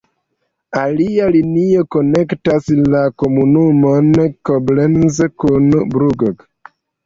Alia linio konektas la komunumon Koblenz kun Brugg.